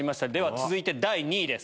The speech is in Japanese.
続いて第２位です。